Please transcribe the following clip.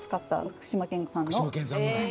福島県産だ。